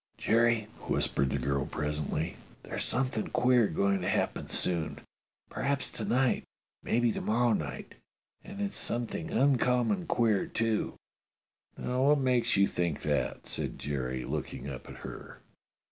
"Jerry," whispered the girl presently, "there's some thing queer going to happen soon. Perhaps to night. Perhaps to morrow night. And it's something un common queer, too." "Now what makes you think that.^ " said Jerry, look ing up at her.